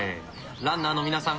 ランナーの皆さん